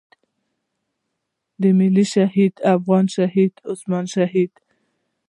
ملي شهيد افغان شهيد عثمان شهيد.